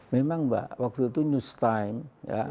memang mbak waktu itu newstime ya